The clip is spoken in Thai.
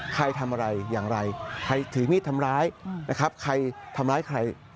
ใครทำอะไรอย่างไรใครถือมีดทำร้ายนะครับใครทำร้ายใคร